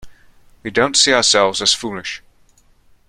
We don't see ourselves as foolish.